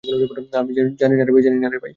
জানি না রে, ভাই!